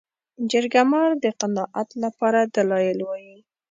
جرګه مار د قناعت لپاره دلایل وايي